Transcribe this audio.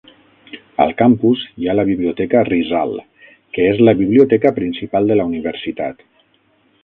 Al campus hi ha la biblioteca Rizal, que és la biblioteca principal de la universitat.